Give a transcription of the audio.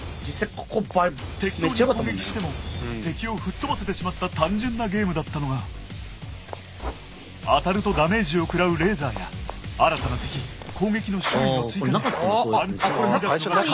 適当に攻撃しても敵をふっ飛ばせてしまった単純なゲームだったのが当たるとダメージを食らうレーザーや新たな敵攻撃の種類の追加でパンチを繰り出すのが格段に難しくなった結果